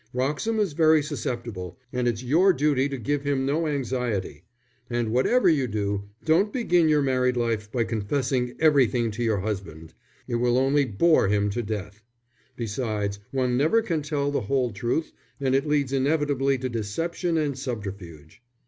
Wroxham is very susceptible, and it's your duty to give him no anxiety. And whatever you do, don't begin your married life by confessing everything to your husband. It will only bore him to death. Besides, one never can tell the whole truth, and it leads inevitably to deception and subterfuge."